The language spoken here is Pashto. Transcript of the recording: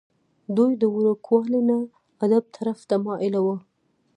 دوي د وړوکوالي نه ادب طرف ته مائله وو ۔